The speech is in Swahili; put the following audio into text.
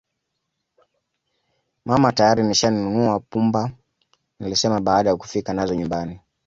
Mama tayari nishanunua pumba nilisema baada ya kufika nazo nyumbani